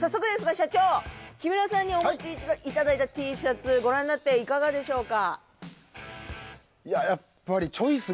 社長木村さんにお持ちいただいたＴシャツご覧になっていかがでしょうか？